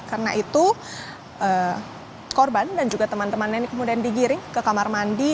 karena itu korban dan juga teman temannya ini kemudian digiring ke kamar mandi